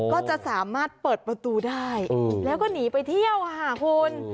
ก็จะสามารถเปิดประตูได้แล้วก็หนีไปเที่ยวค่ะคุณ